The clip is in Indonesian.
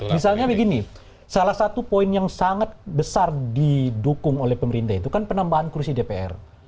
misalnya begini salah satu poin yang sangat besar didukung oleh pemerintah itu kan penambahan kursi dpr